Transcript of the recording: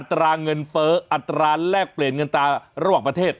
ตราเงินเฟ้ออัตราแลกเปลี่ยนเงินตาระหว่างประเทศ